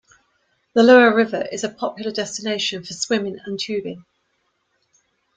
The lower river is a popular destination for swimming and tubing.